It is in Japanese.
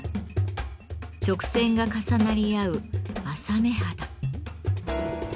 直線が重なり合う「柾目肌」。